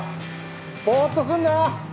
ぼっとすんな！